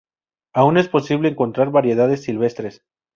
Aún es posible encontrar variedades silvestres.